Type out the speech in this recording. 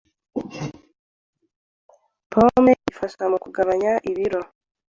Pome ifasha mu kugabanya ibiro